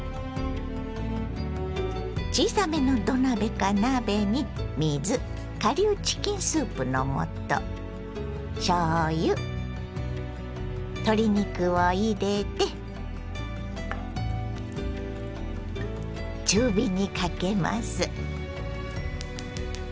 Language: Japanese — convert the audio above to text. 小さめの土鍋か鍋に水顆粒チキンスープの素しょうゆ鶏肉を入れて中火にかけます。